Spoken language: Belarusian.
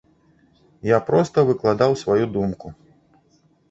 Я проста выкладаў сваю думку.